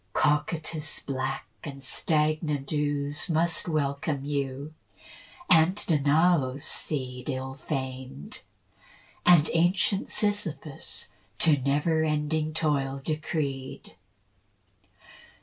Cocytus' black and stagnant ooze Must welcome you, and Danaus' seed Ill famed, and ancient Sisyphus To never ending toil decreed.